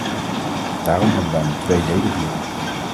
Daarom hebben wij een tweeledig doel.